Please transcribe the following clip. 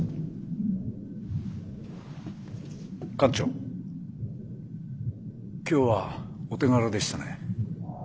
艦長今日はお手柄でしたね。